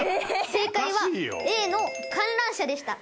正解は、Ａの観覧車でした。